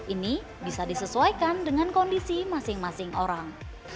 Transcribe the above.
ini bisa disesuaikan dengan kondisi masing masing orang